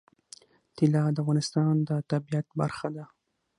طلا د افغانستان د طبیعت برخه ده.